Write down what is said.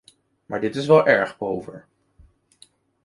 Maar dit is wel erg pover.